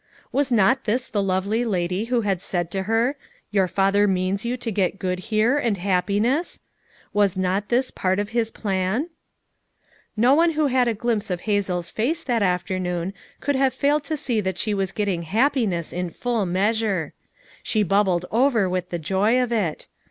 Was not this the lovely FOUR MOTHERS AT CHAUTAUQUA 161 lady who had said to her: "Your Father means you to get good here, and happiness ?" "Was not this part of his plan? No one who had a glimpse of Hazel's face that afternoon could have failed to see that she was getting happiness in full measure. She bubbled over with the joy of it.